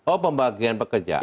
oh pembagian pekerjaan